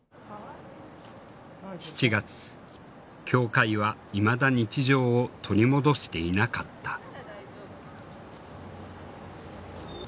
教会はいまだ日常を取り戻していなかった。